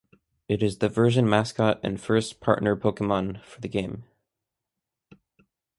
It is the Version Mascot and First partner Pokémon for the game.